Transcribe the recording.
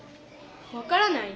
わからない？